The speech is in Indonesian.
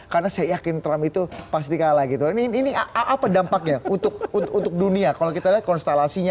karena saya yakin trump itu pasti kalah gitu ini apa dampaknya untuk dunia kalau kita lihat konstelasinya